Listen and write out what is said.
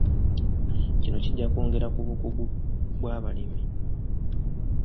Kino kijja kwongera ku bukugu kw'abalimi.